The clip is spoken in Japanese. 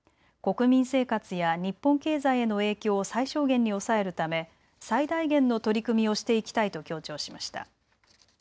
国民生活や日本経済への影響を最小限に抑えるため最大限の取り組みをしていきたいと強調しました。